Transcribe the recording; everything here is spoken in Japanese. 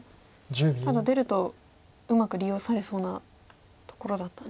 ただ出るとうまく利用されそうなところだったんですか。